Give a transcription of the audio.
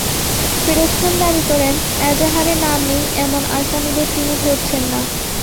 ফিরোজ খান দাবি করেন, এজাহারে নাম নেই এমন আসামিদের তিনি ধরছেন না।